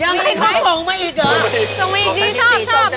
ยังไม่ได้เขาส่งมาอีกเหรอ